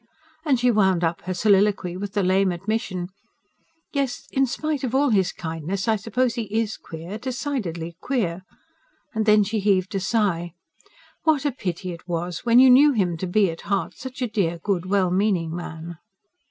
And she wound up her soliloquy with the lame admission: "Yes, in spite of all his kindness, I suppose he IS queer ... decidedly queer," and then she heaved a sigh. What a pity it was! When you knew him to be, at heart, such a dear, good, well meaning man.